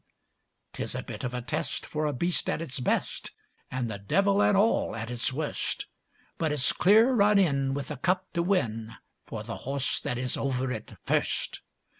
'Tis a bit of a test for a beast at its best, And the devil and all at its worst; But it's clear run in with the Cup to win For the horse that is over it first.